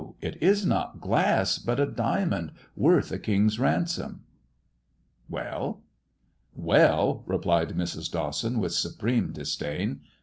it is not glass, but a diamond worth a king's ransom.' "" Well 1 "" Well !" replied Mrs. Dawson, with supreme disdain.